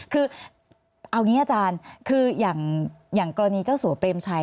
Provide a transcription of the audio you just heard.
คือเอางี้อาจารย์คืออย่างกรณีเจ้าสัวเปรมชัย